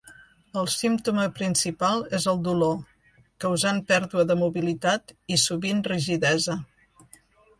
El símptoma principal és el dolor, causant pèrdua de mobilitat i sovint rigidesa.